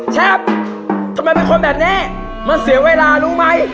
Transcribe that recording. แป๊บทำไมเป็นคนแบบนี้มันเสียเวลารู้ไหม